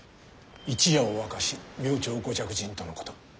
一夜を明かし明朝ご着陣とのこと。